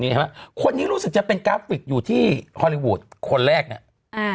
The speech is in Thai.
ใช่ไหมคนนี้รู้สึกจะเป็นกราฟิกอยู่ที่ฮอลลีวูดคนแรกเนี่ยอ่า